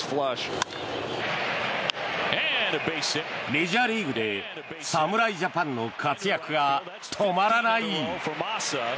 メジャーリーグで侍ジャパンの活躍が止まらない。